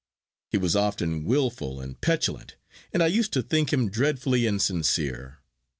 He was often wilful and petulant, and I used to think him dreadfully insincere.